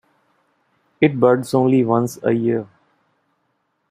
It buds only once a year.